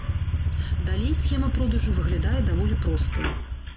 Далей схема продажу выглядае даволі простай.